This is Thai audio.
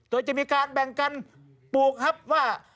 โดยจะมีการแบ่งกันปลูกครับว่า